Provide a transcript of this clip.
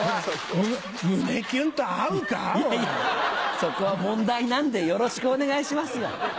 そこは問題なんでよろしくお願いしますよ。